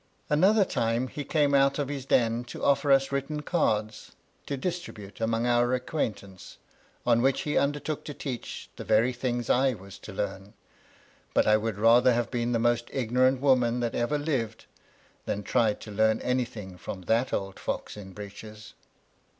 Another time he came out of his den to offer us written cards, to dis* tribute among our acquaintance, on which he undertook to teach the very things I was to learn ; but I would rather have been the most ignorant woman that ever lived than tried to learn anything from that old fox in breeches.